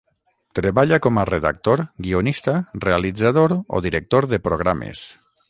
Treballa com a redactor, guionista, realitzador o director de programes.